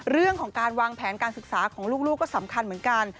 เรื่องของการวางแผนการศึกษาของลูกก็สำคัญเหมือนกัน